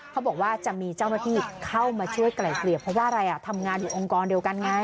เขาบอกว่าจะมีเจ้าหน้าที่เข้ามาช่วยไกล่เกลี่ยเพราะว่าอะไรอ่ะทำงานอยู่องค์กรเดียวกันไง